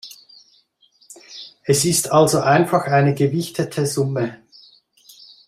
Es ist also einfach eine gewichtete Summe.